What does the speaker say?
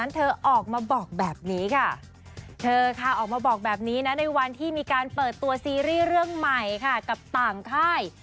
เธอออกมาบอกแบบนี้ในวันที่มีการเปิดตัวซีรีส์เรื่องใหม่กับต่างค่าย